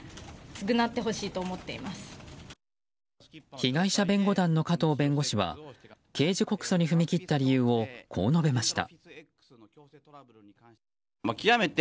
被害者弁護団の加藤弁護士は刑事告訴に踏み切った理由をこう述べました。